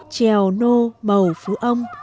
trèo nô màu phú ông